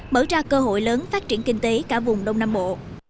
mở ra cơ hội lớn phát triển kinh tế cả vùng đông nam bộ